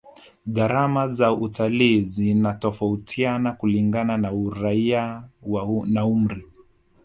gharama za utalii zinatofautiana kulingana na uraia na umri